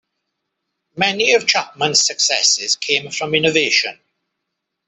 Many of Chapman's successes came from innovation.